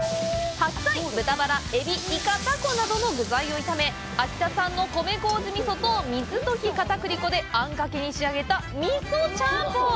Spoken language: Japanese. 白菜、豚バラ、エビ、イカ、タコなどの具材を炒め秋田産の米こうじ味噌と水溶きかたくり粉であんかけに仕上げたみそチャンポン。